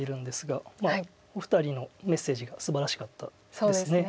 お二人のメッセージがすばらしかったですね。